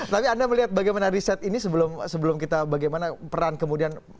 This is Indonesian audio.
tapi anda melihat bagaimana riset ini sebelum kita bagaimana peran kemudian